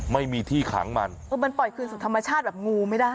ไม่มีที่ขังมันเออมันปล่อยคืนสู่ธรรมชาติแบบงูไม่ได้